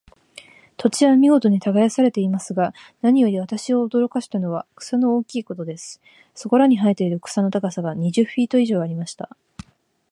土地は見事に耕されていますが、何より私を驚かしたのは、草の大きいことです。そこらに生えている草の高さが、二十フィート以上ありました。